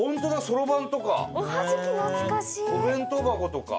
そろばんとか。